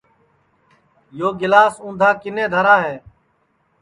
یو گِلاس اُندھا کِنے دھرا ہے